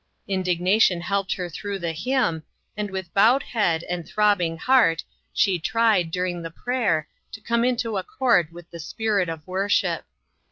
Indignation helped her through the hymn, and with bowed head and throbbing heart, she tried, during the prayer, to come into accord with the spirit of worship.